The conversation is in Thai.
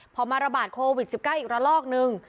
พอมาระบาดโควิด๑๙อีกระลอกนึง